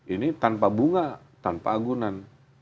ini tanpa bunga tanpa agunan